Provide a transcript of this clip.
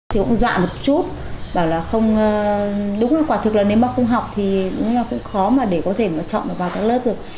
thì cũng dạ một chút bảo là không đúng là quả thực là nếu mà không học thì đúng là cũng khó mà để có thể mà chọn vào các lớp được